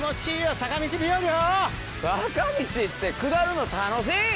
坂道って下るの楽しい！